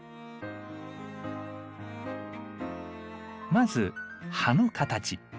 まず葉の形。